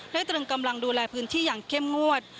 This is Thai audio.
ตรึงกำลังดูแลพื้นที่อย่างเข้มงวด